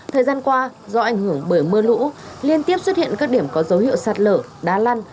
thời gian qua do ảnh hưởng bởi mưa lũ liên tiếp xuất hiện các điểm có dấu hiệu sạt lở đá lăn